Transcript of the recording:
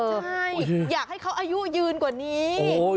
ใช่อยากให้เขาอายุยืนกว่านี้